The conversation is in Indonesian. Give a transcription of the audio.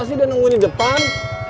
masih udah nungguin di depan